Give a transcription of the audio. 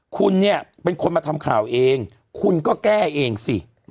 คุณเนี่ยเป็นคนมาทำข่าวเองคุณก็แก้เองสิ